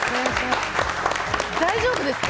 大丈夫ですか？